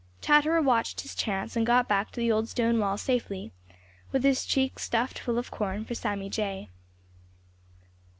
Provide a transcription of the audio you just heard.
Chatterer watched his chance and got back to the old stone wall safely, with his cheeks stuffed full of corn for Sammy Jay.